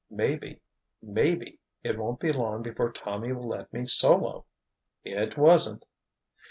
Maybe—maybe it won't be long before Tommy will let me solo." It wasn't!